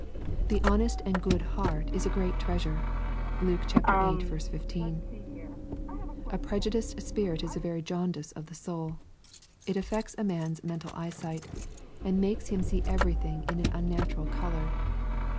The honest and good heart is a great treasure. (Luke viii. 15.) A prejudiced spirit is the very jaun dice of the soul. It affects a man's mental eyesight, and makes him see everything in an unnatural color.